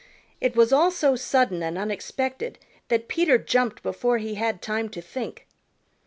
It was all so sudden and unexpected that Peter jumped before he had time to think.